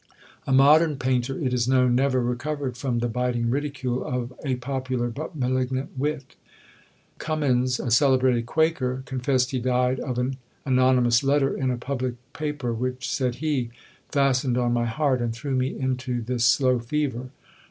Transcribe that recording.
A modern painter, it is known, never recovered from the biting ridicule of a popular, but malignant wit. Cummyns, a celebrated quaker, confessed he died of an anonymous letter in a public paper, which, said he, "fastened on my heart, and threw me into this slow fever."